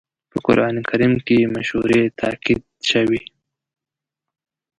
په قرآن کريم کې په مشورې تاکيد شوی.